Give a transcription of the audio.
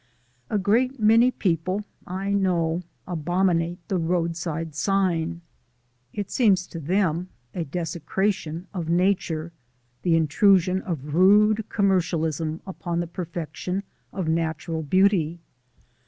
A great many people, I know, abominate the roadside sign. It seems to them a desecration of nature, the intrusion of rude commercialism upon the perfection of natural beauty.